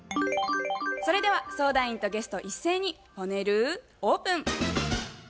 それでは相談員とゲスト一斉にパネルオープン。